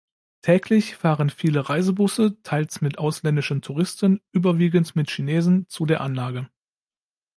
Täglich fahren viele Reisebusse, teils mit ausländischen Touristen, überwiegend mit Chinesen, zu der Anlage.